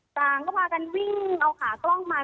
ต่างก็พากันวิ่งเอาขากล้องมา